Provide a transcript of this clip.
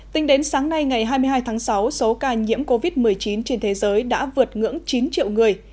tính đến sáng nay ngày hai mươi hai tháng sáu số ca nhiễm covid một mươi chín trên thế giới đã vượt ngưỡng chín triệu người